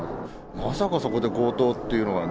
まさかそこで強盗っていうのはね。